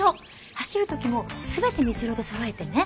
走る時も全て水色でそろえてね。